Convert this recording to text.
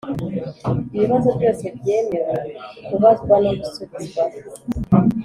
ibibazo byose byemewe kubazwa no gusubizwa.